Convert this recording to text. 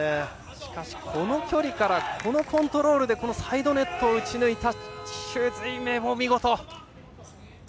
しかし、この距離からこのコントロールでサイドネットを打ち抜いた朱瑞銘お見事！